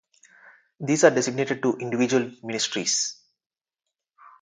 These are designated to individual ministries.